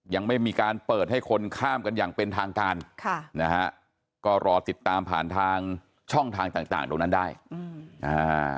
ยังไม่มีการเปิดให้คนข้ามกันอย่างเป็นทางการค่ะนะฮะก็รอติดตามผ่านทางช่องทางต่างต่างตรงนั้นได้อืมอ่า